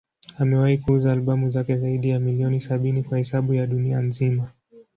Amewahi kuuza albamu zake zaidi ya milioni sabini kwa hesabu ya dunia nzima.